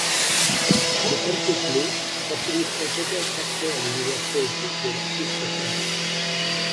Ces quelques clés faciliteront peut-être l'accès à l'univers poétique de l'artiste peintre.